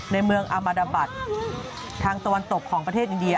ในเมืองอามาดาบัตรทางตะวันตกของประเทศอินเดีย